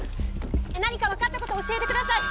何か分かったこと教えてください。